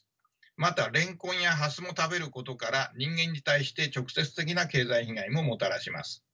またレンコンやハスも食べることから人間に対して直接的な経済被害ももたらします。